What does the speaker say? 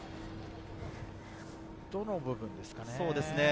どの部分ですかね？